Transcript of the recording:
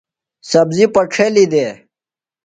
سبزیۡ پڇھلیۡ دےۡ۔